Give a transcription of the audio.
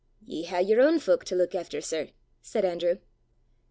"Ye hae yer ain fowk to luik efter, sir!" said Andrew.